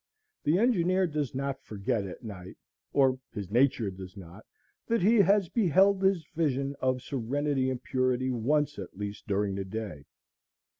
The engineer does not forget at night, or his nature does not, that he has beheld this vision of serenity and purity once at least during the day.